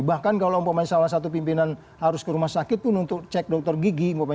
bahkan kalau umpamanya salah satu pimpinan harus ke rumah sakit pun untuk cek dokter gigi